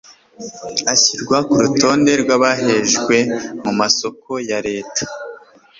ushyirwa kurutonde rw' abahejwe mu masoko ya leta